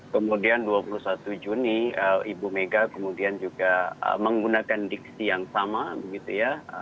kemudian dua puluh satu juni ibu mega kemudian juga menggunakan diksi yang sama begitu ya